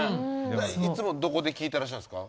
いつもどこで聴いてらっしゃるんですか？